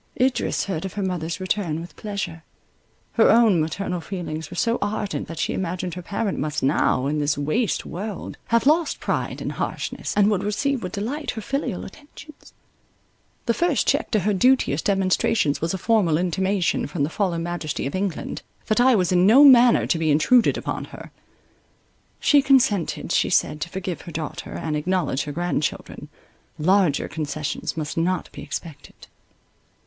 Idris heard of her mother's return with pleasure. Her own maternal feelings were so ardent, that she imagined her parent must now, in this waste world, have lost pride and harshness, and would receive with delight her filial attentions. The first check to her duteous demonstrations was a formal intimation from the fallen majesty of England, that I was in no manner to be intruded upon her. She consented, she said, to forgive her daughter, and acknowledge her grandchildren; larger concessions must not be expected.